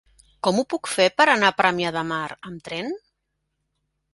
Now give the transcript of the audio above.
Com ho puc fer per anar a Premià de Mar amb tren?